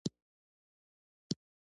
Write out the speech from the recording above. تاریخ د ژوند تجربې ثبتوي.